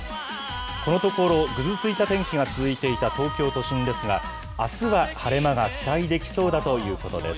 このところ、ぐずついた天気が続いていた東京都心ですが、あすは晴れ間が期待できそうだということです。